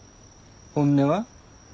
本音は？